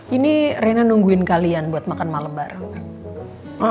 ini rena nungguin kalian buat makan malam bareng